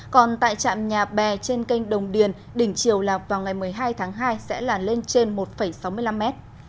còn tại trạm nhà bè trên kênh đồng điền đỉnh chiều lạc vào ngày một mươi hai tháng hai sẽ là lên trên một sáu mươi năm mét